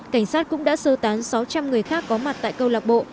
cảnh sát cũng đã sơ tán sáu trăm linh người khác có mặt tại câu lạc bộ